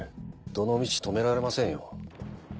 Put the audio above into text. どのみち止められませんよ。